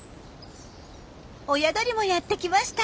親鳥もやってきました。